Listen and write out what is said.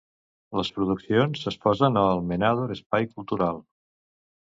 Les produccions s'exposen al Menador Espai Cultural.